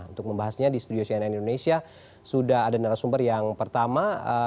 untuk membahasnya di studio cnn indonesia sudah ada narasumber yang pertama